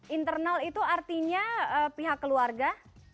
internal itu artinya pihak keluarga